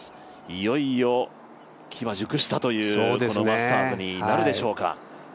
いよいよ機は熟したというマスターズになるでしょうか。